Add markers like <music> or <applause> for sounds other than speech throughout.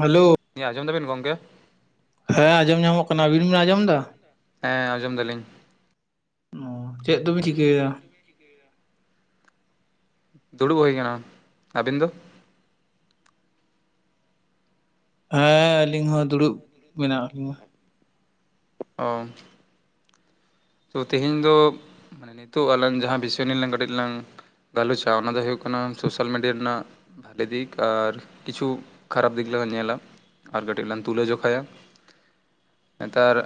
Hello ᱦᱮᱸ ᱟᱸᱡᱟᱢ ᱫᱟ ᱵᱤᱱ ᱜᱚᱝᱠᱮ ᱦᱮᱸ ᱟᱸᱡᱚᱢ ᱧᱟᱢᱚᱜ ᱠᱟᱱᱟ ᱟᱹᱵᱤᱱ ᱵᱤᱱ ᱟᱸᱡᱚᱢ ᱫᱟ? ᱦᱮᱸ ᱟᱸᱡᱚᱢ ᱫᱟᱞᱤᱧ ᱚ ᱪᱮᱫ ᱫᱩᱵᱤᱱ ᱪᱤᱠᱼᱼ ᱪᱮᱫ ᱫᱩᱵᱤᱱ ᱪᱤᱠᱟᱹᱭ ᱫᱩᱲᱩᱵ ᱦᱩᱭ ᱠᱟᱱᱟ ᱟᱵᱤᱱ ᱫᱚ? ᱦᱮᱸ ᱟᱹᱞᱤᱧ ᱦᱚᱸ ᱫᱩᱲᱩᱵ ᱢᱮᱱᱟᱜ ᱞᱤᱧᱟ ᱚ ᱛᱚ ᱛᱮᱦᱮᱧ ᱫᱚᱼᱼ ᱢᱟᱱᱮ ᱱᱤᱛᱚᱜ ᱟᱞᱟᱝ ᱡᱟᱦᱟᱸ ᱵᱤᱥᱚᱭ ᱱᱤᱭᱟᱹᱞᱟᱝ ᱠᱟᱹᱴᱤᱡ ᱞᱟᱝ ᱜᱟᱞᱚᱪᱟ ᱚᱱᱟ ᱫᱚ ᱦᱩᱭᱩᱜ ᱠᱟᱱᱟ ᱥᱳᱥᱟᱞ ᱢᱤᱰᱤᱭᱟ ᱨᱮᱱᱟᱜᱼᱼ ᱵᱷᱟᱞᱮ ᱫᱤᱠ ᱟᱨ ᱠᱤᱪᱷᱩ ᱠᱷᱟᱨᱟᱯ ᱫᱤᱠ ᱞᱟᱱ ᱧᱮᱞᱟ ᱟᱨ ᱠᱟᱹᱴᱤᱡ ᱞᱟᱝ ᱛᱩᱞᱟᱹ ᱡᱚᱠᱷᱟᱭᱟ ᱱᱮᱛᱟᱨ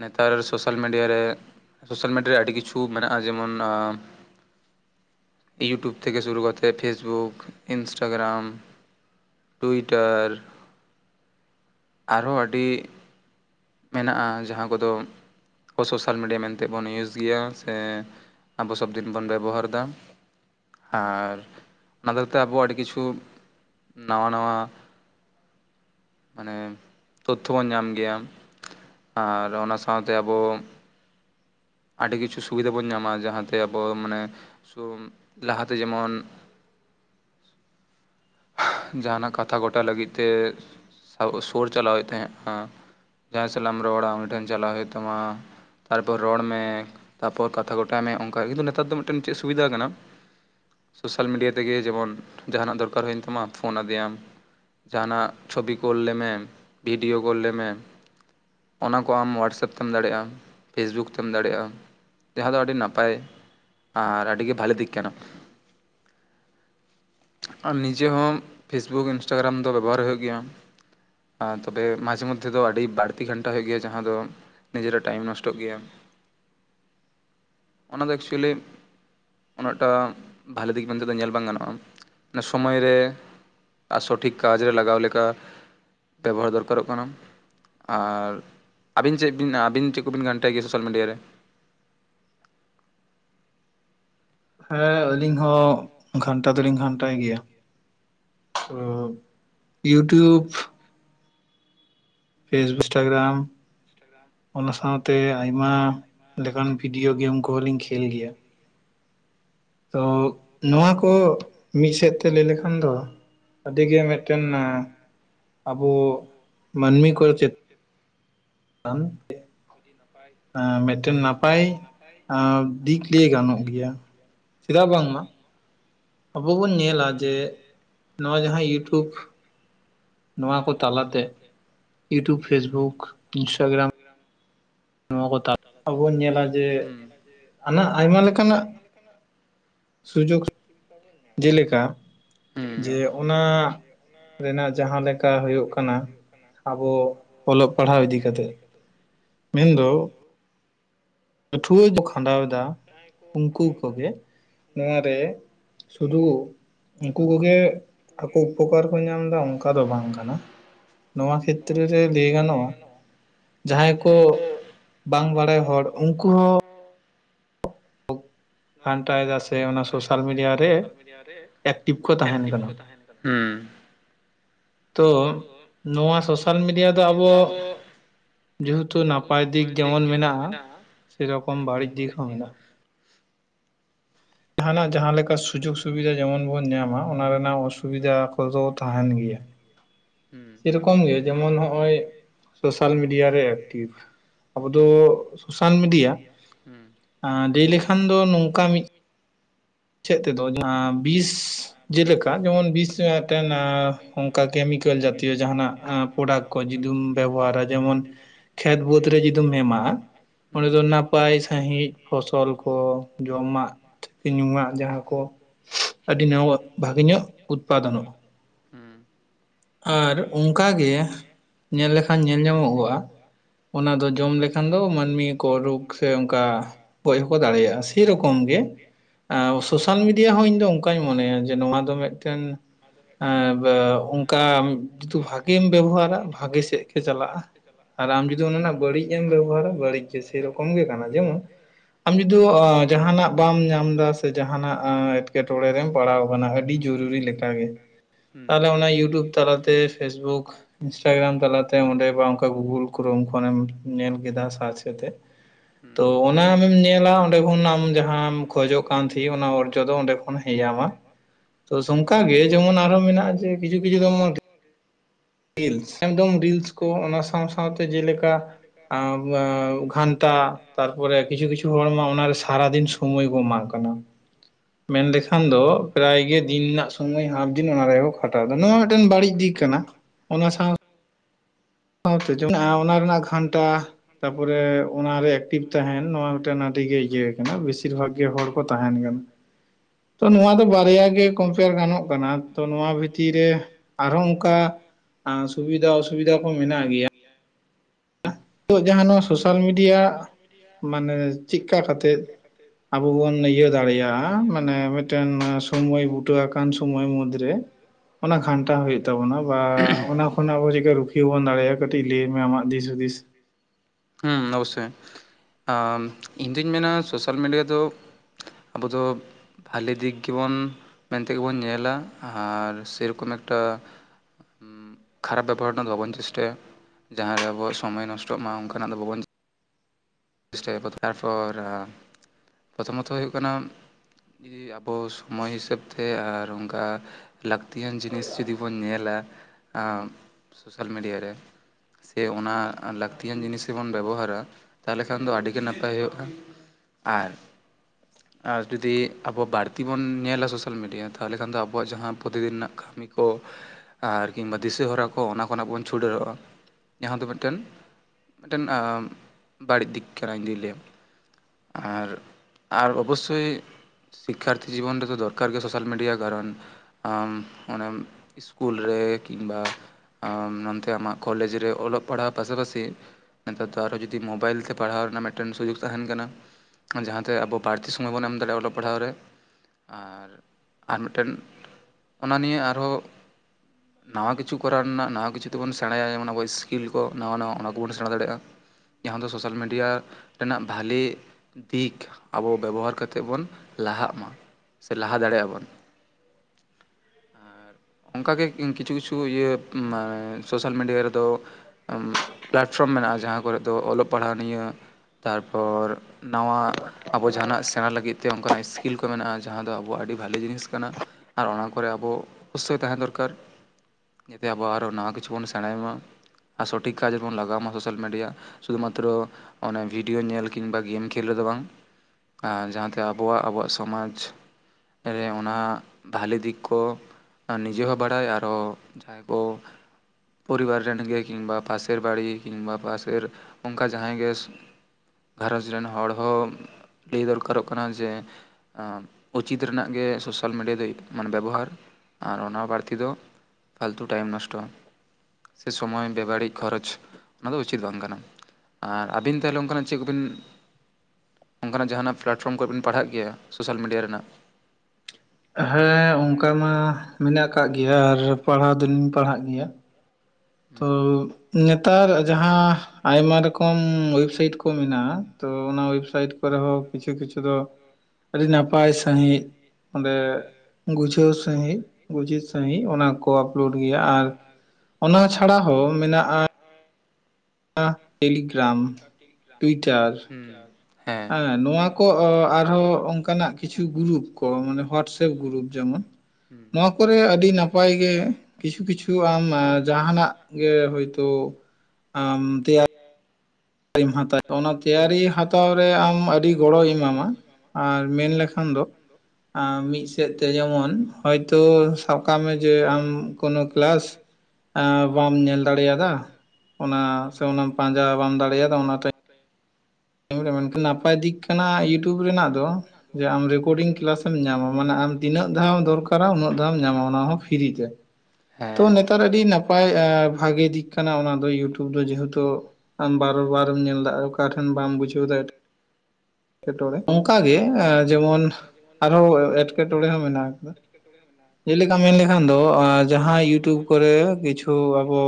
ᱱᱮᱛᱟᱨ ᱥᱚᱥᱟᱞ ᱢᱤᱰᱤᱭᱟᱹ ᱨᱮ ᱥᱚᱥᱟᱞ ᱢᱤᱰᱤᱭᱟᱹ ᱨᱮ ᱟᱹᱰᱤ ᱠᱤᱪᱷᱩ ᱢᱮᱱᱟᱜᱼᱟ ᱡᱮᱢᱚᱱ ᱟᱻ ᱤᱭᱩᱴᱩᱵᱽ ᱛᱮᱜᱮ ᱥᱩᱨᱩ ᱠᱟᱛᱮ ᱯᱷᱮᱥᱵᱩᱠ ᱤᱱᱥᱴᱟᱜᱨᱟᱢ ᱴᱩᱭᱴᱟᱨ ᱟᱨᱦᱚᱸ ᱟᱹᱰᱤ ᱢᱮᱱᱟᱜᱼᱟ ᱡᱟᱦᱟᱸ ᱠᱚᱫᱚ ᱚ ᱥᱚᱥᱟᱞ ᱢᱤᱰᱤᱭᱟᱹ ᱢᱮᱱᱛᱮ ᱵᱚᱱ ᱤᱭᱩᱡᱽ ᱜᱮᱭᱟ ᱥᱮ ᱟᱵᱚ ᱥᱚᱵᱽᱫᱤᱱ ᱵᱚᱱ ᱵᱮᱵᱚᱦᱟᱨ ᱮᱫᱟ ᱟᱨ ᱚᱱᱟ ᱫᱟᱹᱭ ᱛᱮ ᱟᱵᱚ ᱟᱹᱰᱤ ᱠᱤᱪᱷᱩ ᱱᱟᱣᱟ ᱱᱟᱣᱟ ᱢᱟᱱᱮ ᱛᱚᱛᱛᱷᱚ ᱵᱚᱱ ᱧᱟᱢ ᱜᱮᱭᱟ ᱟᱨ ᱚᱱᱟ ᱥᱟᱶᱛᱮ ᱟᱵᱚ ᱟᱹᱰᱤ ᱠᱤᱪᱷᱩ ᱥᱩᱵᱤᱫᱷᱟ ᱵᱚᱱ ᱧᱟᱢᱟ ᱡᱟᱦᱟᱸᱛᱮ ᱟᱵᱚ ᱢᱟᱱᱮ ᱥᱩᱢ ᱞᱟᱦᱟᱛᱮ ᱡᱮᱢᱚᱱ <inaudible> <inaudible> ᱡᱟᱦᱟᱱᱟᱜ ᱠᱟᱛᱷᱟ ᱜᱚᱴᱟ ᱞᱟᱹᱜᱤᱫ ᱛᱮ ᱥᱟᱵ ᱥᱩᱨ ᱪᱟᱞᱟᱣ ᱦᱩᱭᱩᱜ ᱛᱟᱦᱮᱸᱫ ᱠᱟᱼᱼ ᱡᱟᱦᱟᱸᱭ ᱥᱟᱞᱟᱜ ᱮᱢ ᱨᱚᱲᱟ ᱩᱱᱤ ᱴᱷᱮᱱ ᱪᱟᱞᱟᱣ ᱦᱩᱭᱩᱜ ᱛᱟᱢᱟ ᱛᱟᱨᱯᱚᱨ ᱨᱚᱲ ᱢᱮ ᱛᱟᱨᱯᱚᱨ ᱠᱟᱛᱷᱟ ᱜᱚᱴᱟᱭ ᱢᱮ ᱚᱱᱠᱟ ᱤᱫᱩ ᱱᱮᱛᱟᱨ ᱫᱚ ᱢᱤᱫᱴᱟᱝ ᱪᱮᱫ ᱥᱩᱵᱤᱫᱷᱟ ᱟᱠᱟᱱᱟ ᱥᱚᱥᱟᱞ ᱢᱤᱰᱤᱭᱟᱹ ᱛᱮᱜᱮ ᱡᱮᱢᱚᱱ ᱡᱟᱦᱟᱱᱟᱜ ᱫᱚᱨᱠᱟᱨ ᱦᱩᱭᱮᱱ ᱛᱟᱢᱟ ᱯᱷᱳᱱ ᱟᱫᱮᱭᱟᱢ ᱡᱟᱸᱦᱟᱱᱟᱜ ᱪᱷᱚᱵᱤ ᱠᱚᱞ ᱞᱟᱹᱭᱢᱮ ᱵᱷᱤᱰᱤᱭᱚ ᱠᱚᱞ ᱞᱟᱹᱭᱢᱮ ᱚᱱᱟ ᱠᱚ ᱟᱢ ᱦᱚᱣᱟᱴᱥᱮᱯ ᱛᱮᱢ ᱫᱟᱲᱮᱭᱟᱜᱼᱟ ᱯᱷᱮᱥᱵᱩᱠ ᱛᱮᱢ ᱫᱟᱲᱮᱭᱟᱜᱼᱟᱢ ᱡᱟᱦᱟᱸ ᱫᱚ ᱟᱹᱰᱤ ᱱᱟᱯᱟᱭ ᱟᱨ ᱟᱹᱰᱤᱜᱮ ᱵᱷᱟᱞᱤ ᱫᱤᱠ ᱠᱟᱱᱟ ᱟᱨ ᱱᱤᱡᱮ ᱦᱚᱸ ᱯᱷᱮᱥᱵᱩᱠ ᱤᱱᱥᱴᱟᱜᱨᱟᱢ ᱫᱚ ᱵᱮᱵᱚᱦᱟᱨ ᱦᱩᱭᱩᱜ ᱜᱮᱭᱟ ᱟᱨ ᱛᱚᱵᱮ ᱢᱟᱡᱷᱮ ᱢᱚᱫᱽᱫᱷᱮ ᱛᱮᱫᱚ ᱟᱹᱰᱤ ᱵᱟᱲᱛᱤ ᱜᱷᱟᱱᱴᱟ ᱦᱩᱭᱩᱜ ᱜᱮᱭᱟ ᱡᱟᱦᱟᱸ ᱫᱚ ᱱᱤᱡᱮᱨᱟᱜ ᱴᱟᱭᱤᱢ ᱱᱚᱥᱴᱚᱜ ᱜᱮᱭᱟ ᱚᱱᱟ ᱫᱚ ᱮᱠᱪᱩᱭᱮᱞᱤ ᱩᱱᱟᱹᱜ ᱴᱟ ᱵᱷᱟᱞᱮ ᱫᱤᱠ ᱢᱮᱱᱛᱮᱫᱚ ᱧᱮᱞ ᱵᱟᱝ ᱜᱟᱱᱚᱜᱼᱟ ᱥᱚᱢᱚᱭ ᱨᱮ ᱟᱨ ᱥᱚᱴᱷᱤᱠ ᱠᱟᱡᱽ ᱨᱮ ᱞᱟᱜᱟᱣ ᱞᱮᱠᱟ ᱵᱮᱵᱚᱦᱟᱨ ᱫᱚᱨᱠᱟᱨᱚᱜ ᱠᱟᱱᱟ ᱟᱨ ᱟᱹᱵᱤᱱ ᱪᱮᱫ ᱵᱤᱱ ᱟᱹᱵᱤᱱ ᱪᱮᱫ ᱠᱚᱵᱤᱱ ᱜᱷᱟᱱᱴᱟᱭ ᱜᱮᱭᱟ ᱥᱚᱥᱟᱞ ᱢᱤᱰᱤᱭᱟ ᱨᱮ ᱦᱮᱸ ᱟᱹᱞᱤᱧ ᱦᱚᱸ ᱜᱷᱟᱱᱴᱟ ᱫᱚᱞᱤᱧ ᱜᱷᱟᱱᱴᱟᱭ ᱜᱮᱭᱟ ᱚ ᱤᱭᱩᱴᱤᱭᱩᱵᱽ ᱯᱷᱮᱥᱵᱩᱠ ᱤᱥᱴᱟᱜᱨᱟᱢ ᱚᱱᱟ ᱥᱟᱶᱛᱮ ᱟᱭᱢᱟ ᱞᱮᱠᱟᱱ ᱵᱷᱤᱰᱤᱭᱚ ᱜᱮᱢ ᱠᱚᱦᱚᱸ ᱞᱤᱧ ᱠᱷᱮᱞ ᱜᱮᱭᱟ ᱛᱚ ᱱᱚᱣᱟ ᱠᱚ ᱢᱤᱫ ᱥᱮᱫ ᱛᱮ ᱞᱟᱹᱭ ᱞᱮᱠᱷᱟᱱ ᱫᱚ ᱟᱹᱰᱤ ᱜᱮ ᱢᱤᱫᱴᱮᱱ ᱱᱟᱼᱼ ᱟᱵᱚ ᱢᱟᱹᱱᱢᱤ ᱠᱚ ᱪᱮᱫ ᱟᱢ ᱠᱮᱫ ᱦᱚᱭ ᱢᱤᱫᱴᱮᱱ ᱱᱟᱯᱟᱭ ᱟᱸ ᱰᱤᱠ ᱫᱤᱭᱮ ᱜᱟᱱᱚᱜ ᱜᱮᱭᱟ ᱪᱮᱫᱟᱜ ᱵᱟᱝᱢᱟ ᱟᱵᱚ ᱵᱚᱱ ᱧᱮᱞᱟ ᱡᱮ ᱱᱚᱣᱟ ᱡᱟᱦᱟᱸ ᱤᱭᱩᱴᱩᱵᱽ ᱱᱚᱣᱟ ᱠᱚ ᱛᱟᱞᱟᱛᱮ ᱤᱭᱩᱴᱩᱵᱽ ᱯᱷᱮᱥᱵᱩᱠ ᱤᱱᱥᱴᱟᱜᱨᱟᱢ ᱱᱚᱣᱟ ᱠᱚ ᱨᱟᱜ <unintelligible> ᱟᱵᱚᱱ ᱧᱮᱞᱟ ᱡᱮ ᱟᱱᱟᱜ ᱟᱭᱢᱟ ᱞᱮᱠᱟᱱᱟᱜ <unintelligible> ᱥᱩᱡᱚᱜᱽ ᱡᱮᱞᱮᱠᱟ ᱡᱮ ᱚᱱᱟ ᱨᱮᱱᱟᱜ ᱡᱟᱦᱟᱸ ᱞᱮᱠᱟ ᱦᱩᱭᱩᱜ ᱠᱟᱱᱟ ᱟᱵᱚ ᱚᱞᱚᱜ ᱯᱟᱲᱦᱟᱣ ᱤᱫᱤ ᱠᱟᱛᱮᱜ ᱢᱮᱱᱫᱚ <inaudible> ᱯᱟᱹᱴᱷᱩᱣᱟᱹ ᱠᱚ ᱠᱷᱟᱸᱰᱟᱣᱮᱫᱟ ᱩᱱᱠᱩ ᱠᱚᱜᱮ ᱱᱚᱣᱟᱨᱮ ᱥᱩᱫᱩ ᱩᱱᱠᱩ ᱠᱚᱜᱮ ᱟᱠᱚ ᱩᱯᱚᱠᱟᱨ ᱠᱚ ᱧᱟᱢᱮᱫᱟ ᱚᱱᱠᱟ ᱚᱱᱠᱟ ᱫᱚ ᱵᱟᱝ ᱠᱟᱱᱟ ᱱᱚᱣᱟ ᱠᱷᱮᱫ ᱠᱷᱮᱛ ᱨᱮᱜᱮ ᱵᱟᱭ ᱜᱟᱱᱚᱜᱼᱟ ᱡᱟᱦᱟᱸᱭ ᱠᱚ ᱵᱟᱝ ᱵᱟᱲᱟᱭ ᱦᱚᱲ ᱠᱩᱦᱚ ᱜᱷᱟᱱᱴᱟᱭ ᱫᱟ ᱥᱮ ᱚᱱᱟ ᱥᱳᱥᱟᱞ ᱢᱤᱰᱤᱭᱟ ᱨᱮ ᱮᱠᱴᱤᱵᱷ ᱠᱚ ᱛᱟᱦᱮᱱ ᱠᱟᱱᱟ ᱛᱳ ᱱᱚᱣᱟ ᱥᱳᱥᱟᱞ ᱢᱤᱰᱤᱭᱟ ᱫᱚ ᱟᱵᱚ- ᱡᱮᱦᱮᱛᱩ ᱱᱟᱯᱟᱭ ᱫᱤᱠ ᱡᱮᱢᱚᱱ ᱢᱮᱱᱟᱜᱼᱟ ᱥᱮᱨᱚᱠᱚᱢ ᱵᱟᱲᱤᱡ ᱫᱤᱠ ᱦᱚ ᱢᱮᱱᱟᱜᱼᱟ ᱡᱟᱦᱟᱱᱟᱜ ᱡᱟᱦᱟ ᱞᱮᱠᱟ ᱥᱩᱡᱳᱜᱽ ᱥᱩᱵᱤᱫᱟ ᱡᱮᱢᱚᱱ ᱵᱚᱱ ᱧᱟᱢᱟ ᱚᱱᱟ ᱨᱮᱱᱟᱜ ᱚᱥᱩᱵᱤᱫᱟ ᱠᱚ ᱫᱚ ᱛᱟᱦᱮᱱ ᱜᱮᱭᱟ ᱥᱮ ᱨᱚᱠᱚᱢ ᱜᱮ ᱡᱮᱢᱚᱱ ᱦᱚᱜᱼᱚᱭ ᱥᱳᱥᱟᱞ ᱢᱤᱰᱤᱭᱟ ᱨᱮ ᱮᱠᱴᱤᱵᱷ ᱟᱵᱚ ᱫᱚ ᱥᱳᱥᱟᱞ ᱢᱤᱰᱤᱭᱟ ᱟᱦ ᱞᱟᱹᱭ ᱞᱮᱠᱷᱟᱱ ᱫᱚ ᱱᱚᱝᱠᱟ ᱢᱤᱫ- ᱪᱷᱮᱫ ᱛᱮ ᱫᱚ ᱡᱟᱦᱟ ᱵᱤᱥ ᱡᱮᱞᱮᱠᱟ ᱡᱮᱢᱚᱱ ᱵᱤᱥ ᱢᱤᱫᱴᱮᱱ ᱟᱦ- ᱚᱱᱠᱟ ᱠᱮᱢᱤᱠᱮᱞ ᱡᱟᱛᱤᱭᱚ ᱡᱟᱦᱟ ᱱᱟᱜ ᱯᱨᱚᱰᱟᱠ ᱠᱚ ᱡᱩᱫᱤᱢ ᱵᱮᱵᱚᱦᱟᱨᱟ ᱡᱮᱢᱚᱱ- ᱠᱷᱮᱛ ᱵᱟᱹᱫᱽ ᱨᱮ ᱡᱩᱫᱤᱢ ᱮᱢ ᱟᱜ ᱚᱸᱰᱮ ᱫᱚ ᱱᱟᱯᱟᱭ ᱥᱟᱹᱦᱤᱡ ᱯᱷᱚᱥᱚᱞ ᱠᱚ- ᱡᱚ-ᱢᱟᱜ ᱥᱮ ᱧᱩ-ᱟᱜ ᱡᱟᱦᱟ ᱠᱚ ᱟᱹᱰᱤ ᱱᱟ ᱵᱷᱟᱜᱮ ᱧᱚᱜ ᱩᱛᱯᱟᱫᱚᱱᱚᱜᱼᱟ ᱦᱩ-ᱩᱦ ᱟᱨ ᱚᱱᱠᱟ ᱜᱮ ᱧᱮᱞ ᱞᱮᱠᱷᱟᱱ ᱧᱮᱞ ᱧᱟᱢᱚᱜ ᱜᱚᱜᱼᱟ ᱚᱱᱟ ᱫᱚ ᱡᱚᱢ ᱞᱮᱠᱷᱟᱱ ᱫᱚ ᱢᱟᱹᱱᱢᱤ ᱠᱚ ᱨᱳᱜᱽ ᱥᱮ ᱚᱱᱠᱟ ᱜᱚᱡ ᱦᱚᱠᱚ ᱫᱟᱲᱮᱭᱟᱜᱼᱟ ᱥᱮ ᱥᱮ ᱨᱚᱠᱚᱢ ᱜᱮ ᱥᱳᱥᱟᱞ ᱢᱤᱰᱤᱭᱟ ᱦᱚ ᱤᱧ ᱫᱚ ᱚᱱᱠᱟᱧ ᱢᱚᱱᱮᱭᱟ ᱡᱮ ᱱᱚᱣᱟ ᱫᱚ ᱢᱤᱫᱴᱮᱱ- ᱮᱜ ᱵᱟᱹᱜ ᱚᱱᱠᱟ ᱟᱢ ᱡᱩᱫᱤ ᱵᱷᱟᱜᱮᱢ ᱵᱮᱵᱚᱦᱟᱨᱟ ᱵᱷᱟᱜᱮ ᱥᱮᱪ ᱜᱮ ᱪᱟᱞᱟᱜᱼᱟ ᱟᱨ ᱟᱢ ᱡᱩᱫᱤ ᱚᱱᱟ ᱨᱮᱱᱟᱜ ᱵᱟᱹᱲᱤᱡ- ᱮᱢ ᱵᱮᱵᱚᱦᱟᱨᱟ ᱵᱟᱹᱲᱤᱡ ᱜᱮ ᱥᱮᱨᱚᱠᱚᱢ ᱜᱮ ᱠᱟᱱᱟ ᱡᱮᱢᱚᱱ- ᱟᱢ ᱡᱩᱫᱤ ᱚᱜ ᱡᱟᱦᱟᱱᱟᱜ ᱵᱟᱢ ᱧᱟᱢ ᱫᱟ ᱥᱮ ᱡᱟᱦᱟᱱᱟᱜ ᱮᱴᱠᱮᱴᱚᱲᱮ ᱨᱮᱢ ᱯᱟᱲᱟᱣ ᱟᱠᱟᱱᱟ ᱟᱹᱰᱤ- ᱡᱩᱨᱤᱩᱤ ᱞᱮᱠᱟᱜᱮ ᱛᱟᱦᱚᱞᱮ ᱚᱱᱟ ᱤᱭᱩᱴᱩᱵᱽ- ᱛᱟᱞᱟᱛᱮ ᱯᱷᱮᱥᱵᱩᱠ ᱤᱱᱥᱴᱟᱜᱨᱟᱢ ᱛᱟᱞᱟᱛᱮ ᱚᱸᱰᱮ ᱵᱟ ᱚᱱᱠᱟ ᱜᱩᱜᱩᱞ ᱠᱨᱚᱢ ᱠᱷᱚᱱᱮᱢ ᱞᱮᱞ ᱠᱮᱫᱟ ᱥᱟᱨᱪ ᱠᱟᱛᱮ ᱛᱚ ᱚᱱᱟ ᱟᱢᱮᱢ ᱧᱮᱞᱟ ᱚᱸᱰᱮ ᱠᱷᱚᱱ ᱟᱢ ᱡᱟᱦᱟᱢ ᱠᱷᱚᱡᱚᱜ ᱠᱟᱱ ᱛᱟᱦᱮᱫ ᱚᱱᱟ ᱚᱨᱡᱚ ᱫᱚ ᱚᱸᱰᱮ ᱠᱷᱚᱱ ᱦᱮᱡ ᱟᱢᱟ <inaudible> ᱛᱚ ᱥᱚᱝᱠᱟ ᱜᱮ ᱡᱮᱢᱚᱱ ᱟᱨᱦᱚ ᱢᱮᱱᱟᱜᱼᱟ ᱡᱮ ᱠᱤᱪᱷᱩ ᱠᱤᱪᱷᱩ ᱫᱚ- ᱨᱤᱞᱥ ᱮᱠᱫᱚᱢ ᱨᱤᱞᱥ ᱠᱚ ᱚᱱᱟ ᱥᱟᱣ ᱥᱟᱣᱛᱮ ᱡᱮᱞᱮᱠᱟ ᱟᱜ ᱟᱜ ᱜᱷᱟᱱᱴᱟ ᱛᱟᱨᱯᱚᱨᱮ ᱠᱤᱪᱷᱩ ᱠᱤᱪᱷᱩ ᱦᱚᱲ ᱢᱟ ᱚᱱᱟᱨᱮ ᱥᱟᱨᱟᱫᱤᱱ ᱥᱚᱢᱚᱭ ᱠᱚ ᱮᱢᱟᱜ ᱠᱟᱱᱟ ᱢᱮᱱᱞᱮᱠᱷᱟᱱ ᱫᱚ ᱯᱨᱟᱭᱜᱮ ᱫᱤᱱ ᱨᱮᱱᱟᱜ ᱥᱚᱢᱚᱭ ᱦᱟᱯᱷ ᱫᱤᱱ ᱚᱱᱟ ᱨᱮᱜᱮ ᱠᱷᱟᱴᱟᱣ ᱫᱟ ᱱᱚᱣᱟ ᱢᱤᱫᱴᱮᱱ ᱵᱟᱲᱤᱡ ᱫᱤᱠ ᱠᱟᱱᱟ ᱚᱱᱟ ᱥᱟᱣ- ᱚᱱᱟ ᱨᱮᱱᱟᱜ ᱜᱷᱟᱱᱴᱟ ᱛᱟᱯᱚᱨᱮ ᱚᱱᱟᱨᱮ ᱮᱠᱴᱤᱵᱷ ᱛᱟᱦᱮᱱ ᱱᱚᱣᱟ ᱢᱤᱴᱮᱱ ᱟᱹᱰᱤ ᱜᱮ ᱤᱭᱟᱹ- ᱵᱮᱥᱤᱨ ᱵᱷᱟᱜᱽ ᱜᱮ ᱦᱚᱲ ᱠᱚ ᱛᱟᱦᱮᱱ ᱠᱟᱱᱟ <inaudible> ᱛᱚ ᱱᱚᱣᱟ ᱫᱚ ᱵᱟᱨᱭᱟ ᱜᱮ ᱠᱚᱢᱯᱮᱭᱟᱨ ᱜᱟᱱᱚᱜ ᱠᱟᱱᱟ ᱛᱚ ᱱᱚᱣᱟ ᱵᱷᱤᱛᱤᱨ- ᱮ ᱟᱨᱦᱚ ᱚᱱᱠᱟ ᱥᱩᱵᱤᱫᱟ ᱚᱥᱩᱵᱤᱫᱟ ᱠᱚ ᱢᱮᱱᱟᱜ ᱜᱮᱭᱟ ᱱᱤᱛᱚᱜ ᱡᱟᱦᱟᱸᱴ ᱱᱚᱣᱟ ᱥᱳᱥᱟᱞ ᱢᱤᱰᱤᱭᱟ ᱢᱟᱱᱮ ᱪᱮᱫᱠᱟ ᱠᱟ ᱠᱟᱛᱮᱫ ᱟᱵᱚ ᱵᱚᱱ ᱤᱭᱟᱹ ᱫᱟᱲᱮᱭᱟᱜᱼᱟ ᱢᱟᱱᱮ ᱢᱤᱴᱮᱱ ᱥᱚᱢᱚᱭ ᱵᱩᱴᱟᱹ ᱟᱠᱟᱱ ᱥᱚᱢᱚᱭ ᱢᱩᱫᱽᱨᱮ ᱚᱱᱟ ᱜᱷᱟᱱᱴᱟ ᱦᱩᱭᱩᱜ ᱛᱟᱵᱚᱱᱟ ᱵᱟ ᱚᱱᱟ ᱚᱱᱟ ᱜᱷᱟᱱᱴᱟ ᱦᱩᱭᱩᱜ ᱛᱟᱵᱚᱱᱟ ᱵᱟ ᱚᱱᱟ ᱠᱷᱚᱱ ᱟᱵᱚ ᱪᱤᱠᱟ ᱨᱩᱠᱷᱤᱭᱟ ᱵᱚᱱ ᱫᱟᱲᱮᱭᱟᱜᱼᱟ ᱠᱟᱹᱴᱤᱡ ᱞᱟᱹᱭᱢᱮ ᱟᱢᱟᱜ ᱫᱤᱥ ᱦᱩᱫᱤᱥ - ᱦᱩ ᱚᱵᱚᱥᱥᱳᱭ ᱟᱜ ᱤᱧᱫᱩᱧ ᱢᱮᱱᱟ ᱥᱳᱥᱟᱞ ᱢᱤᱰᱤᱭᱟ ᱫᱚ ᱟᱵᱚ ᱫᱚ ᱵᱷᱟᱞᱮ ᱫᱤᱠ ᱜᱮᱵᱚᱱ ᱢᱮᱱᱛᱮ ᱜᱮᱵᱚᱱ ᱧᱮᱞᱟ ᱟᱨ ᱥᱮᱨᱚᱠᱚᱢ - ᱠᱳᱱᱳ ᱮᱠᱴᱟ ᱩᱦ ᱠᱷᱟᱨᱟᱯ ᱵᱮᱵᱚᱦᱟᱨ ᱨᱮᱱᱟᱜ ᱫᱚ ᱵᱟᱵᱚᱱ ᱪᱮᱥᱴᱟᱭᱟ ᱡᱟᱦᱟᱨᱮ ᱟᱵᱚᱣᱟᱜ ᱥᱚᱢᱚᱭ ᱱᱚᱥᱴᱚᱜ ᱢᱟ ᱚᱱᱠᱟᱱᱟᱜ ᱫᱚ ᱵᱟᱵᱚᱱ ᱪᱮ- ᱪᱮᱥᱴᱟ ᱭᱟᱵᱚ ᱛᱟᱨᱯᱚᱨ ᱯᱨᱚᱛᱷᱚᱢᱚᱛᱚ ᱦᱩᱭᱩᱜ ᱠᱟᱱᱟ ᱡᱤ ᱟᱵᱚ ᱥᱚᱢᱚᱭ ᱦᱤᱥᱟᱹᱵ ᱛᱮ ᱟᱨ ᱚᱱᱠᱟ- ᱞᱟᱠᱛᱤᱭᱟᱱ ᱡᱤᱱᱤᱥ ᱡᱩᱫᱤ ᱵᱚᱱ ᱧᱮᱞᱟ ᱥᱳᱥᱟᱞ ᱢᱤᱰᱤᱭᱟ ᱨᱮ ᱥᱮ ᱚᱱᱟ ᱞᱟᱠᱛᱤᱭᱟᱱ ᱡᱤᱱᱤᱥ ᱜᱮ ᱵᱚᱱ ᱵᱮᱵᱚᱦᱟᱨᱟ ᱛᱟᱦᱚᱞᱮ ᱠᱷᱟᱱ ᱫᱚ ᱟᱰᱤ ᱜᱮ ᱱᱟᱯᱟᱭᱚᱜᱼᱟ ᱟᱨ ᱟᱨ ᱡᱩᱫᱤ ᱟᱵᱚ ᱵᱟᱲᱛᱤ ᱵᱚᱱ ᱧᱮᱞᱟ ᱥᱳᱥᱟᱞ ᱢᱤᱰᱤᱭᱟ ᱛᱟᱦᱚᱞᱮ ᱠᱷᱟᱱ ᱫᱚ ᱟᱵᱚᱣᱟᱜ ᱡᱟᱦᱟ ᱯᱨᱚᱛᱤᱫᱤᱱ ᱨᱮᱱᱟᱜ ᱠᱟᱢᱤ ᱠᱚ ᱟᱨ ᱠᱤᱝᱵᱟ ᱫᱤᱥᱟᱹ ᱦᱚᱨᱟ ᱠᱚ ᱚᱱᱟ ᱠᱷᱚᱱᱟᱜ ᱵᱚᱱ ᱪᱷᱩᱰᱟᱹᱨᱚᱜᱼᱟ ᱡᱟᱦᱟ ᱫᱚ ᱢᱤᱫᱴᱮᱱ ᱢᱤᱫᱴᱮᱱ ᱟᱜ ᱵᱟᱲᱤᱡ ᱫᱤᱠ ᱠᱟᱱᱟ ᱤᱧ ᱫᱚᱧ ᱞᱟᱹᱭ ᱟ ᱟᱨ ᱟᱨ ᱚᱵᱚᱥᱥᱚᱭ ᱥᱤᱠᱠᱷᱟᱨᱛᱷᱤ ᱡᱤᱵᱚᱱ ᱨᱮᱫᱚ ᱫᱚᱨᱠᱟᱨ ᱜᱮᱭᱟ ᱥᱳᱥᱟᱞ ᱢᱤᱰᱤᱭᱟ ᱠᱟᱨᱚᱱ ᱟ ᱚᱱᱮ ᱤᱥᱠᱩᱞ ᱨᱮ ᱠᱤᱱᱵᱟ ᱱᱚᱱᱛᱮ ᱟᱢᱟᱜ ᱠᱚᱞᱮᱡᱽ ᱨᱮ ᱚᱞᱚᱜ ᱯᱟᱲᱦᱟᱣ ᱯᱟᱥᱟᱯᱥᱤ ᱱᱮᱛᱟᱨ ᱫᱚ ᱟᱨᱚ ᱡᱩᱫᱤ ᱢᱳᱵᱟᱭᱤᱞ ᱛᱮ ᱯᱟᱲᱦᱟᱣ ᱨᱮᱱᱟᱜ ᱢᱤᱫᱴᱮᱱ ᱥᱩᱡᱳᱜᱽ ᱛᱟᱦᱮᱱ ᱠᱟᱱᱟ᱾ ᱡᱟᱦᱟᱸᱛᱮ ᱟᱵᱚ ᱵᱟᱹᱲᱛᱤ ᱥᱚᱢᱚᱭ ᱵᱚᱱ ᱮᱢ ᱫᱟᱲᱮᱭᱟᱜᱼᱟ ᱚᱞᱚᱜ ᱯᱟᱲᱦᱟᱣ ᱨᱮ ᱟᱨ ᱟᱨ ᱢᱤᱫᱴᱮᱱ ᱚᱱᱟ ᱱᱤᱭᱮ ᱟᱨᱦᱚᱸ ᱱᱟᱣᱟ ᱠᱤᱪᱷᱩ ᱠᱚᱨᱟᱣ ᱨᱮᱱᱟᱜ ᱱᱟᱣᱟ ᱱᱟᱣᱟ ᱠᱤᱪᱷᱩ ᱠᱚᱨᱟᱣ ᱨᱮᱱᱟᱜ ᱱᱟᱣᱟ ᱱᱟᱣᱟ ᱠᱤᱪᱷᱩ ᱠᱚᱨᱟᱣ ᱱᱟᱣᱟ ᱠᱤᱪᱷᱩ ᱛᱮᱵᱚᱱ ᱥᱮᱬᱟᱭᱟ ᱡᱮᱢᱚᱱ ᱟᱵᱚ ᱤᱥᱠᱤᱞ ᱠᱚ ᱱᱟᱣᱟ ᱱᱟᱣᱟ ᱚᱱᱟ ᱠᱚᱵᱚᱱ ᱥᱮᱬᱟ ᱫᱟᱲᱮᱭᱟᱜ-ᱟ᱾ ᱡᱟᱦᱟᱸ ᱫᱚ ᱥᱳᱥᱟᱞ ᱢᱤᱰᱤᱭᱟ ᱨᱮᱱᱟᱜ ᱵᱟᱹᱞᱤᱮ ᱫᱤᱠ ᱟᱵᱚ ᱵᱮᱵᱚᱦᱟᱨᱛᱮᱫ ᱵᱚᱱ ᱞᱟᱦᱟᱜ ᱢᱟ ᱥᱮ ᱞᱟᱦᱟ ᱫᱟᱲᱮᱭᱟᱜ-ᱟ ᱵᱚᱱ᱾ ᱟᱨ ᱚᱱᱠᱟᱜᱮ ᱠᱤᱪᱷᱩ ᱠᱤᱪᱷᱩ ᱤᱭᱟᱹ ᱢᱟᱱᱮ ᱥᱳᱥᱟᱞ ᱢᱤᱰᱤᱭᱟ ᱨᱮᱫᱚ ᱯᱞᱟᱴᱯᱷᱚᱢ ᱢᱮᱱᱟᱜ-ᱟ ᱡᱟᱦᱟᱸ ᱠᱚᱨᱮᱫ ᱫᱚ ᱚᱞᱚᱜ ᱯᱟᱲᱦᱟᱜ ᱱᱤᱭᱟᱹ ᱛᱟᱨᱯᱚᱨ ᱱᱟᱣᱟ ᱟᱵᱚ ᱡᱟᱦᱟᱱᱟᱜ ᱥᱮᱬᱟ ᱞᱟᱹᱜᱤᱫ ᱛᱮ ᱚᱱᱠᱟᱱᱟᱜ ᱥᱠᱤᱞ ᱠᱚ ᱾ ᱢᱮᱱᱟᱜᱼᱟ ᱡᱟᱦᱟᱸ ᱫᱚ ᱟᱵᱚᱣᱟᱜ ᱟᱹᱰᱤ ᱵᱷᱟᱞᱮ ᱡᱤᱱᱤᱥ ᱠᱟᱱᱟ ᱟᱨ ᱚᱱᱟ ᱠᱚᱨᱮ ᱟᱵᱚ ᱚᱵᱚᱥᱳᱭ ᱛᱟᱦᱮᱸ ᱫᱚᱨᱠᱟᱨ᱾ ᱡᱟᱛᱮ ᱟᱵᱚ ᱟᱨᱚ ᱱᱟᱣᱟ ᱠᱤᱪᱷᱩ ᱵᱚᱱ ᱥᱮᱬᱟᱭ ᱢᱟ᱾ ᱟᱨ ᱥᱚᱴᱷᱤᱠ ᱠᱟᱡ ᱨᱮᱵᱚᱱ ᱞᱟᱜᱟᱣᱢᱟ ᱥᱳᱥᱟᱞ ᱢᱤᱰᱤᱭᱟ ᱥᱩᱫᱷᱩ ᱢᱟᱛᱨᱚ ᱚᱱᱮ ᱵᱷᱤᱰᱭᱳ ᱧᱮᱞ ᱠᱤᱱᱵᱟ ᱜᱮᱢ ᱠᱷᱮᱞ ᱨᱮᱫᱚ ᱵᱟᱝ ᱾ ᱟᱨ ᱡᱟᱦᱟᱸᱛᱮ ᱟᱵᱚᱣᱟᱜ ᱟᱵᱚᱣᱟᱜ ᱥᱚᱢᱟᱡᱽ ᱨᱮ ᱚᱱᱟ ᱵᱷᱟᱹᱞᱤ ᱫᱤᱠ᱾ ᱠᱚ ᱱᱤᱡᱮ ᱦᱚᱸ ᱵᱟᱲᱟᱭ ᱟᱨᱚ ᱡᱟᱦᱟᱸᱭ ᱠᱚ ᱜᱷᱟᱨᱽᱡ ᱨᱮᱱ ᱜᱮ ᱵᱟᱝᱠᱷᱟᱱ ᱯᱚᱨᱤᱵᱟᱨ ᱨᱮᱱ ᱜᱮ ᱵᱟᱝᱠᱷᱟᱱ ᱯᱟᱱᱛᱮ ᱚᱲᱟᱜ ᱵᱟᱝᱠᱷᱟᱱ ᱯᱟᱱᱛᱮ ᱚᱱᱠᱟ ᱡᱟᱦᱟᱭ ᱜᱮ ᱜᱷᱟᱨᱚᱸᱡᱽ ᱨᱮᱱ ᱦᱚᱲ ᱦᱚᱸ ᱞᱟᱹᱭ ᱫᱚᱨᱠᱟᱨᱚᱜ ᱠᱟᱱᱟ ᱡᱮ ᱩᱪᱤᱛ ᱨᱮᱱᱟᱜ ᱜᱮ ᱥᱳᱥᱟᱞ ᱢᱤᱰᱤᱭᱟ ᱫᱚ ᱢᱟᱱ ᱵᱮᱵᱚᱦᱟᱨ ᱟᱨ ᱚᱱᱟ ᱵᱟᱹᱲᱛᱤ ᱫᱚ ᱯᱷᱟᱞᱛᱩ ᱴᱟᱭᱤᱢ ᱱᱚᱥᱴᱚᱜᱼᱟ ᱥᱮ ᱥᱚᱢᱚᱭ ᱵᱮᱵᱟᱹᱲᱤᱡ ᱠᱷᱚᱨᱚᱪ ᱚᱱᱟ ᱫᱚ ᱩᱪᱤᱛ ᱵᱟᱝ ᱠᱟᱱᱟ᱾ ᱟᱨ ᱟᱹᱵᱤᱱ ᱛᱟᱦᱚᱞᱮ ᱚᱱᱠᱟᱱᱟᱜ ᱪᱮᱫ ᱠᱚᱵᱤᱱ ᱚᱱᱠᱟᱱᱟᱜ ᱡᱟᱦᱱᱟᱜ ᱯᱞᱟᱴᱯᱷᱚᱨᱚᱢ ᱠᱚᱨᱮ ᱵᱤᱱ ᱯᱟᱲᱦᱟᱜ ᱜᱮᱭᱟ ᱥᱳᱥᱟᱞ ᱢᱤᱰᱤᱭᱟ ᱨᱮᱱᱟᱜ᱾ ᱦᱮᱸ ᱚᱱᱠᱟ ᱢᱟ ᱢᱮᱱᱟᱜ ᱟᱠᱟᱫ ᱜᱮᱭᱟ ᱟᱨ ᱯᱟᱲᱦᱟᱜ ᱫᱚᱞᱤᱧ ᱯᱟᱲᱦᱟᱜ ᱜᱮᱭᱟ ᱛᱚ ᱱᱮᱛᱟᱨ ᱡᱟᱦᱟᱸ ᱟᱭᱢᱟ ᱨᱚᱠᱚᱢ ᱳᱭᱮᱵᱽᱥᱟᱭᱤᱴ ᱠᱚ ᱢᱮᱱᱟᱜ-ᱟ ᱛᱚ ᱚᱱᱟ ᱳᱭᱮᱵᱽᱥᱟᱭᱤᱴ ᱠᱚᱨᱮ ᱦᱚᱸ ᱠᱤᱪᱷᱩ ᱠᱤᱪᱷᱩ ᱫᱚ ᱟᱹᱰᱤ ᱱᱟᱯᱟᱭ ᱥᱟᱺᱦᱤᱡ᱾ ᱚᱸᱰᱮ ᱜᱩᱡᱷᱟᱹᱣ ᱥᱟᱹᱦᱤᱡ ᱜᱩᱡᱮᱛ ᱥᱟᱹᱦᱤᱡ ᱚᱱᱟ ᱠᱚ ᱟᱯᱞᱳᱰ ᱜᱮᱭᱟ ᱟᱨ ᱚᱱᱟ ᱪᱷᱟᱲᱟ ᱦᱚᱸ ᱢᱮᱱᱟᱜ-ᱟ ᱴᱮᱞᱤᱜᱨᱟᱢ ᱴᱩᱭᱴᱟᱨ᱾ ᱦᱸ ᱜᱮ ᱦᱮᱸ ᱱᱚᱣᱟ ᱠᱚ ᱟᱨᱦᱚᱸ ᱚᱱᱠᱟᱱᱟᱜ ᱠᱤᱪᱷᱩ ᱜᱨᱩᱯ ᱠᱚ ᱢᱟᱱᱮ ᱦᱳᱣᱟᱴᱥᱮᱯ ᱜᱨᱩᱯ ᱡᱮᱢᱚᱱ ᱱᱚᱣᱟ ᱠᱚᱨᱮ ᱟᱹᱰᱤ ᱱᱟᱯᱟᱭ ᱜᱮ ᱠᱤᱪᱷᱩ ᱠᱤᱪᱷᱩ ᱟᱢ ᱡᱟᱦᱟᱱᱟᱜ ᱜᱮ ᱦᱳᱭᱛᱳ ᱟᱢ ᱛᱮᱭᱟ ᱢ ᱦᱟᱛᱟᱣᱮᱫᱟ ᱚᱱᱟ ᱛᱮᱭᱟᱨᱤ ᱦᱟᱛᱟᱣ ᱨᱮ ᱟᱢ ᱟᱹᱰᱤ ᱜᱚᱲᱚᱭ ᱮᱢᱟᱢᱟ ᱟᱨ ᱢᱮᱱ ᱞᱮᱠᱷᱟᱱ ᱦᱫᱚ ᱢᱤᱫ ᱥᱮᱫ ᱛᱮ ᱡᱮᱢᱚᱱ ᱦᱚᱭᱛᱳ ᱥᱟᱵ ᱠᱟᱜ ᱢᱮ ᱡᱮ ᱟᱢ ᱠᱳᱱᱳ ᱪᱟᱱᱚᱪ ᱵᱟᱢ ᱧᱮᱞ ᱫᱟᱲᱮᱭᱟᱫᱟ ᱚᱱᱟ ᱥᱮ ᱚᱱᱟ ᱯᱟᱸᱡᱟ ᱵᱟᱢ ᱫᱟᱲᱮᱭᱟᱫᱟ ᱚᱱᱟᱛᱮ ᱚᱱᱟᱛᱮ ᱱᱟᱯᱟᱭ ᱫᱤᱠ ᱠᱟᱱᱟ ᱤᱭᱩᱴᱩᱵᱽ ᱨᱮᱱᱟᱜ ᱫᱚ ᱡᱮ ᱟᱢ ᱨᱮᱠᱳᱰᱤᱝ ᱪᱟᱱᱚᱪ ᱧᱟᱢᱟ ᱢᱟᱱᱮ ᱟᱢ ᱛᱤᱱᱟᱹᱜ ᱫᱷᱟᱢ ᱫᱚᱨᱠᱟᱨᱟ ᱩᱱᱟᱹᱜ ᱫᱷᱟᱢ ᱧᱟᱢᱟ ᱚᱱᱟ ᱦᱚᱸᱚᱸ ᱯᱷᱤᱨᱤ ᱛᱮ᱾ ᱛᱚ ᱱᱮᱛᱟᱨ ᱟᱹᱰᱤ ᱱᱟᱯᱟᱭ ᱵᱷᱟᱜᱮ ᱫᱤᱠ ᱠᱟᱱᱟ ᱚᱱᱟ ᱫᱚ ᱤᱭᱩᱴᱩᱵᱽ ᱫᱚ ᱡᱮᱦᱮᱛᱩ ᱟᱢ ᱵᱟᱨ ᱵᱟᱨᱮᱢ ᱧᱮᱞ ᱮᱫᱟ ᱚᱠᱟ ᱴᱷᱮᱱ ᱵᱟᱢ ᱵᱩᱡᱷᱟᱹᱣ ᱫᱟᱲᱮ ᱮᱸᱴᱠᱮᱴᱚᱬᱮ ᱚᱱᱠᱟᱜᱮ ᱡᱮᱢᱚᱱ ᱟᱨᱦᱚᱸ ᱮᱸᱴᱠᱮᱴᱚᱬᱮ ᱦᱚᱸ ᱢᱮᱱᱟᱜ ᱠᱟᱫᱟ᱾ ᱡᱮᱞᱮᱠᱟ ᱢᱮᱱ ᱞᱮᱠᱷᱟᱱ ᱫᱚ ᱡᱟᱦᱟᱸ ᱤᱭᱩᱴᱩᱵ ᱠᱚᱨᱮ ᱠᱤᱪᱷᱩ ᱟᱵᱚ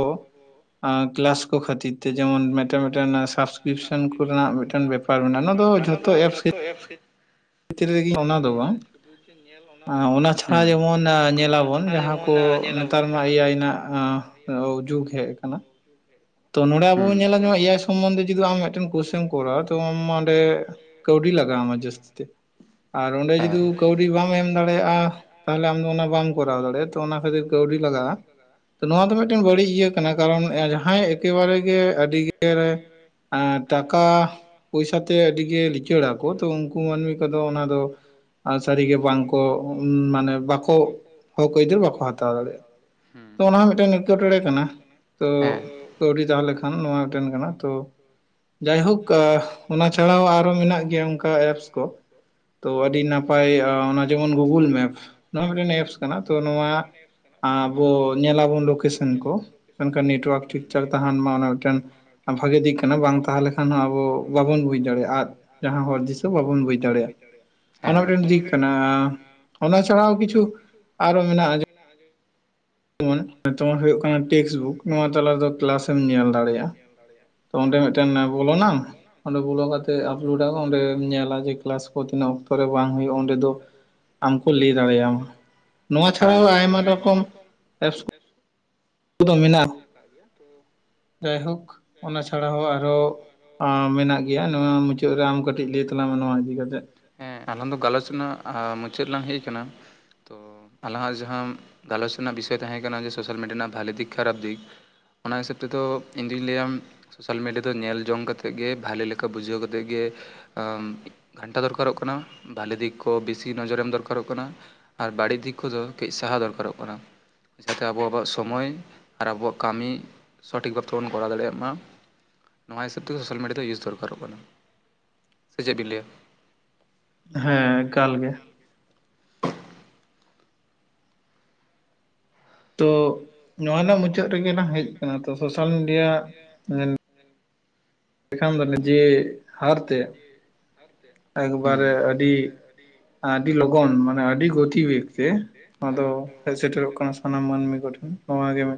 ᱠᱮᱞᱟᱥ ᱠᱚ ᱠᱷᱟᱹᱛᱤᱨ ᱛᱮ ᱡᱮᱢᱚᱱ ᱢᱮᱫᱴᱮᱱ ᱢᱮᱫᱴᱮᱱ ᱥᱟᱵᱥᱠᱨᱤᱯᱥᱚᱱ ᱨᱮᱱᱟᱜ ᱢᱤᱫᱴᱮᱱ ᱵᱮᱯᱟᱨ ᱢᱮᱱᱟᱜ ᱱᱚᱣᱟ ᱫᱚ ᱡᱷᱚᱛᱚ ᱮᱯᱥ ᱮᱯᱥ ᱜᱮ ᱵᱷᱤᱛᱨᱤ ᱨᱮᱜᱮ ᱚᱱᱟ ᱫᱚ ᱵᱟᱝ ᱚᱱᱟ ᱪᱷᱟᱲᱟ ᱡᱮᱢᱚᱱ ᱧᱮᱞᱟᱵᱚᱱ ᱡᱟᱦᱟᱸ ᱠᱚ ᱱᱮᱛᱟᱨ ᱢᱟ ᱮ-ᱟᱭ ᱨᱮᱱᱟᱜ ᱡᱩᱜᱽ ᱦᱮᱡ ᱟᱠᱟᱱᱟ ᱛᱚ ᱱᱚᱰᱮ ᱟᱵᱚ ᱵᱚᱱ ᱧᱮᱞᱟ ᱮᱭᱟᱭ ᱥᱚᱢᱚᱱᱫᱷᱮ ᱡᱩᱫᱤ ᱟᱢ ᱢᱤᱫᱴᱮᱱ ᱠᱳᱥᱪᱮᱱ ᱮᱢ ᱠᱚᱨᱟᱣᱟ ᱛᱚ ᱟᱢ ᱱᱚᱸᱰᱮ ᱠᱟᱹᱣᱰᱤ ᱞᱟᱜᱟᱣ ᱟᱢᱟ ᱡᱟᱹᱥᱛᱤ ᱛᱮ ᱟᱨ ᱚᱸᱰᱮ ᱡᱩᱫᱤ ᱠᱟᱹᱣᱰᱤ ᱵᱟᱢ ᱮᱢ ᱫᱟᱲᱮᱭᱟᱜ-ᱟ ᱛᱟᱦᱚᱞᱮ ᱟᱢ ᱫᱚ ᱚᱱᱟ ᱵᱟᱢ ᱠᱚᱨᱟᱣ ᱫᱟᱲᱮᱭᱟᱜ-ᱟ ᱛᱚ ᱚᱱᱟ ᱠᱷᱟᱹᱛᱤᱨ ᱠᱟᱹᱣᱰᱤ ᱞᱟᱜᱟᱜ-ᱟ ᱞᱟᱜᱟᱜ-ᱟ ᱛᱚ ᱱᱚᱣᱟ ᱫᱚ ᱢᱤᱫᱴᱮᱱ ᱵᱟᱹᱲᱤᱡ ᱤᱭᱟᱹ ᱠᱟᱱᱟ ᱠᱟᱨᱚᱱ ᱡᱟᱦᱟᱸᱭ ᱮᱠᱮᱵᱟᱨᱮ ᱜᱮ ᱟᱹᱰᱤ ᱜᱮ ᱮ ᱴᱟᱠᱟ ᱯᱚᱭᱥᱟ ᱛᱮ ᱟᱹᱰᱤᱜᱮ ᱞᱤᱪᱟᱹᱲ ᱟᱠᱚ ᱛᱚ ᱩᱱᱠᱩ ᱢᱟᱹᱱᱢᱤ ᱠᱚᱫᱚ ᱚᱱᱟ ᱫᱚ ᱥᱟᱹᱨᱤᱜᱮ ᱵᱟᱝᱠᱚ ᱢᱟᱱᱮ ᱵᱟᱠᱚ ᱦᱚᱠ ᱭᱟᱹᱫᱟᱹᱨ ᱵᱟᱠᱚ ᱦᱟᱛᱟᱣ ᱫᱟᱲᱮᱭᱟᱜ-ᱟ᱾ ᱦᱩᱸ ᱛᱚ ᱚᱱᱟ ᱦᱚᱸ ᱢᱤᱫᱴᱮᱱ ᱮᱴᱠᱮᱴᱚᱬᱮ ᱠᱟᱱᱟ ᱠᱟᱹᱣᱰᱤ ᱛᱟᱦᱮ ᱞᱮᱠᱷᱟᱱ ᱱᱚᱣᱟ ᱴᱮᱱ ᱠᱟᱱᱟ ᱛᱚ ᱡᱟᱭᱦᱳᱠ ᱚᱱᱟ ᱪᱷᱟᱲᱟ ᱟᱨᱦᱚ ᱢᱮᱱᱟᱜ ᱜᱮᱭᱟ ᱚᱱᱠᱟ ᱮᱯᱥ ᱠᱚ ᱛᱚ ᱟᱹᱰᱤ ᱱᱟᱯᱟᱭ ᱡᱮᱢᱚᱱ ᱜᱩᱜᱩᱞ ᱢᱮᱯᱥ ᱱᱚᱣᱟ ᱢᱤᱫᱴᱮᱱ ᱮᱯᱥ ᱠᱟᱱᱟ ᱛᱚ ᱱᱚᱣᱟ ᱟᱵᱚ ᱧᱮᱞᱟᱵᱩᱱ ᱞᱳᱠᱮᱥᱚᱱ ᱠᱚ ᱢᱮᱱᱠᱷᱟᱱ ᱱᱮᱴᱣᱟᱨᱠ ᱴᱷᱤᱠ ᱴᱷᱟᱠ ᱛᱟᱦᱮᱱ ᱢᱟ ᱢᱤᱫᱴᱮᱱ ᱵᱷᱟᱜᱮ ᱫᱤᱠ ᱠᱟᱱᱟ ᱵᱟᱝ ᱛᱟᱦᱚᱞᱮ ᱠᱷᱟᱱ ᱟᱵᱚ ᱵᱟᱵᱚᱱ ᱵᱩᱡ ᱫᱟᱲᱮᱭᱟᱜ-ᱟ ᱟᱨ ᱡᱟᱦᱟᱸ ᱦᱚᱨ ᱫᱤᱥᱟᱹ ᱵᱟᱵᱚᱱ ᱵᱩᱡᱽ ᱫᱟᱲᱮᱭᱟᱜ ᱚᱱᱟ ᱢᱤᱫᱴᱮᱱ ᱫᱤᱠ ᱠᱟᱱᱟ ᱚᱱᱟ ᱪᱷᱟᱲᱟᱣ ᱠᱤᱪᱷᱩ ᱟᱨᱚ ᱢᱮᱱᱟᱜ-ᱟ ᱡᱮ ᱡᱮᱢᱚᱱ ᱱᱤᱛᱚ ᱢᱟ ᱦᱩᱭᱩᱜ ᱠᱟᱱᱟ ᱴᱮᱠᱥᱴ ᱵᱩᱠ ᱱᱚᱣᱟ ᱛᱟᱞᱟ ᱨᱮ ᱠᱮᱞᱟᱥ ᱪᱚᱞᱚ ᱟᱫᱚ ᱠᱮᱞᱟᱥᱮ ᱮᱢ ᱧᱮᱞ ᱫᱟᱲᱮᱭᱟᱜ-ᱟ ᱛᱚ ᱚᱸᱰᱮ ᱢᱤᱫᱴᱮᱱ ᱵᱚᱞᱚᱱᱟᱢ ᱚᱸᱰᱮ ᱵᱚᱞᱚ ᱠᱟᱛᱮᱜ ᱟᱯᱞᱳᱰ ᱚᱸᱰᱮ ᱧᱮᱞᱟ ᱡᱮ ᱠᱮᱞᱟᱥ ᱠᱚ ᱛᱤᱱᱟᱹᱜ ᱚᱠᱛᱚ ᱨᱮ ᱵᱟᱝ ᱦᱩᱭᱩᱜ-ᱟ ᱚᱸᱰᱮ ᱫᱚ ᱟᱢ ᱠᱚ ᱞᱟᱹᱭ ᱫᱟᱲᱮᱭᱟᱢᱟ ᱱᱚᱣᱟ ᱪᱷᱟᱲᱟ ᱟᱭᱢᱟ ᱨᱚᱠᱚᱢ ᱮᱯᱥ ᱫᱚ ᱢᱮᱱᱟᱜ ᱟᱠᱟ ᱜᱮᱭᱟ ᱛᱚ ᱡᱟᱭᱦᱳᱠ ᱚᱱᱟ ᱪᱷᱟᱲᱟ ᱦᱚᱸ ᱟᱨᱚ ᱟᱻ ᱢᱮᱱᱟᱜ ᱜᱮᱭᱟ ᱱᱚᱣᱟ ᱢᱩᱪᱟᱹᱫ ᱨᱮ ᱟᱢ ᱠᱟᱹᱴᱤᱡ ᱞᱟᱹᱭ ᱛᱟᱞᱟᱝ ᱢᱮ ᱱᱚᱣᱟ ᱤᱫᱤ ᱠᱟᱛᱮᱫ? ᱦᱮᱸ ᱟᱞᱟᱝ ᱫᱚ ᱜᱟᱞᱚᱪ ᱨᱮᱱᱟᱜ ᱢᱩᱪᱟᱹᱫ ᱞᱟᱝ ᱦᱮᱡ ᱠᱟᱱᱟ᱾ ᱛᱚ ᱟᱞᱟᱝᱟᱜ ᱡᱟᱦᱟᱸ ᱜᱟᱞᱚᱪ ᱨᱮᱱᱟᱜ ᱵᱤᱥᱚᱭ ᱛᱟᱦᱮᱸ ᱠᱟᱱᱟ ᱡᱮ ᱥᱳᱥᱟᱞ ᱢᱤᱰᱤᱭᱟ ᱨᱮᱱᱟᱜ ᱵᱷᱟᱞᱮ ᱫᱤᱠ ᱠᱷᱟᱨᱟᱯ ᱫᱤᱠ ᱚᱱᱟ ᱦᱤᱥᱟᱹᱵ ᱛᱮᱫᱚ ᱤᱧᱫᱩᱧ ᱞᱟᱹᱭᱟ ᱥᱳᱥᱟᱞ ᱢᱤᱰᱤᱭᱟ ᱫᱚ ᱧᱮᱞ ᱡᱚᱝ ᱠᱟᱛᱮᱫ ᱜᱮ ᱵᱷᱟᱞᱮ ᱞᱮᱠᱟ ᱵᱩᱡᱷᱟᱹᱣ ᱠᱟᱛᱮᱫ ᱜᱮ ᱜᱷᱟᱱᱴᱟ ᱫᱚᱨᱠᱟᱨᱚᱜ ᱠᱟᱱᱟ ᱵᱷᱟᱞᱮ ᱫᱤᱠ ᱠᱚ ᱵᱮᱥᱤ ᱱᱚᱡᱚᱨ ᱮᱢ ᱫᱚᱨᱠᱟᱨᱚᱜ ᱠᱟᱱᱟ ᱟᱨ ᱵᱟᱹᱲᱤᱡ ᱫᱤᱠᱷ ᱠᱚᱫᱚ ᱠᱟᱹᱡ ᱥᱟᱦᱟ ᱫᱚᱨᱠᱟᱨᱚᱜ ᱠᱟᱱᱟ ᱡᱟᱦᱟ ᱛᱮ ᱟᱵᱩ ᱟᱵᱚᱣᱟᱜ ᱥᱚᱢᱚᱭ ᱟᱨ ᱟᱵᱚᱣᱟᱜ ᱠᱟᱹᱢᱤ ᱥᱚᱴᱷᱤᱠ ᱵᱷᱟᱵ ᱛᱮᱵᱚᱱ ᱠᱚᱨᱟᱣ ᱫᱟᱲᱮᱭᱟᱜ ᱢᱟ ᱱᱚᱣᱟ ᱦᱤᱥᱟᱹᱵᱽ ᱛᱮ ᱥᱳᱥᱟᱞ ᱢᱤᱰᱤᱭᱟ ᱫᱚ ᱤᱭᱩᱡᱽ ᱫᱚᱨᱠᱟᱨᱚᱜ ᱠᱟᱱᱟ ᱥᱮ ᱪᱮᱫ ᱵᱤᱱᱞᱟᱹᱭᱟ? ᱦᱮᱸ ᱮᱠᱟᱞ ᱜᱮ ᱛᱚ ᱱᱚᱣᱟ ᱨᱮᱱᱟᱜ ᱢᱩᱪᱟᱹᱫ ᱨᱮᱜᱮᱞᱟᱝ ᱦᱮᱡ ᱟᱠᱟᱱᱟ ᱛᱚ ᱥᱳᱥᱟᱞ ᱢᱤᱰᱤᱭᱟ ᱦᱮᱸ ᱮᱠᱷᱟᱱ ᱫᱚ ᱱᱤᱡᱮ ᱦᱟᱨᱛᱮ ᱮᱠᱵᱟᱨᱮ ᱟᱹᱰᱤ ᱟᱹᱰᱤ ᱞᱚᱜᱚᱱ ᱢᱟᱱᱮ ᱟᱹᱰᱤ ᱜᱚᱛᱤ ᱵᱮᱜ ᱛᱮ ᱱᱚᱣᱟ ᱫᱚ ᱦᱮᱡ ᱥᱮᱴᱮᱨᱚᱜ ᱠᱟᱱᱟ ᱥᱟᱱᱟᱢ ᱢᱟᱹᱱᱢᱤ ᱠᱚᱴᱷᱮᱱ ᱱᱚᱣᱟ ᱜᱮ